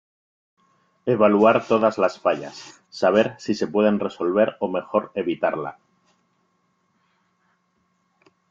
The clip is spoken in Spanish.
Evaluar todas las fallas, saber si se pueden resolver o mejor evitarla.